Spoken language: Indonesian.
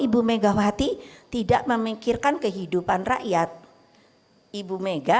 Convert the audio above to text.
ibu megawati tidak memikirkan kehidupan rakyat ibu mega